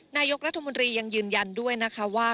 นายกรัฐมนตรียังยืนยันด้วยนะคะว่า